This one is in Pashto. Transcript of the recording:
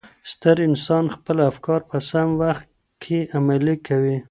ستر انسان خپل افکار په سم وخت کي عملي کوي.